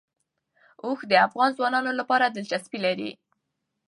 اوښ د افغان ځوانانو لپاره دلچسپي لري.